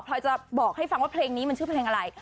รอยจะบอกให้ฟังว่าเพลงนี้มันชื่อเพลงอะไร